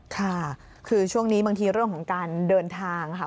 ค่ะคือช่วงนี้บางทีเรื่องของการเดินทางค่ะ